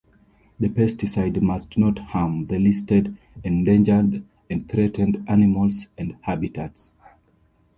The pesticide must not harm the listed endangered and threatened animals and habitats.